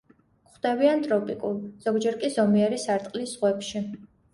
გვხვდებიან ტროპიკულ, ზოგჯერ კი ზომიერი სარტყლის ზღვებში.